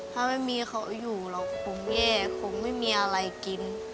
ถ้าไม่มีเขาอยู่เราก็คงแย่คงไม่มีอะไรกิน